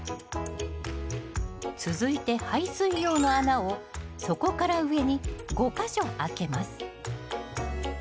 続いて排水用の穴を底から上に５か所あけます。